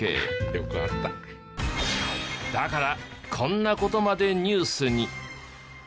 だからこんな事までニュースに。